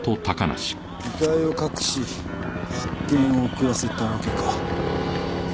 遺体を隠し発見を遅らせたわけか。